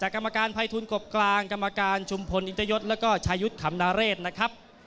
แต่กรรมการภัยทูลกบกลางกรรมการชุมพลอินตยศแล้วก็ชายุทธ์ขำนาเรศนะครับ